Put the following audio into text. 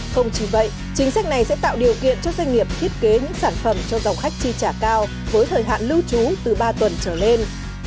không chỉ vậy chính sách này sẽ tạo điều kiện cho doanh nghiệp thiết kế những sản phẩm cho dòng khách chi trả cao với thời hạn lưu trú từ ba tuần trở lên